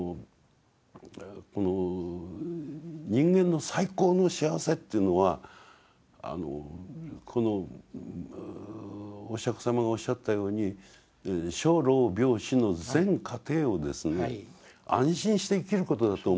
人間の最高の幸せというのはお釈様がおっしゃったように生老病死の全過程をですね安心して生きることだと思うんですよ。